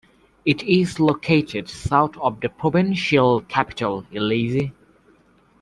It is located south of the provincial capital, Illizi.